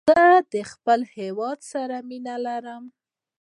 زه د خپل هېواد سره مینه لرم